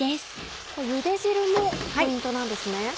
ゆで汁もポイントなんですね。